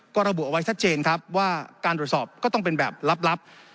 ก็ระบุเอาไว้ชัดเจนครับว่าการตรวจสอบก็ต้องเป็นแบบลับ